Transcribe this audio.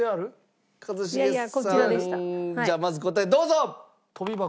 じゃあまず答えどうぞ。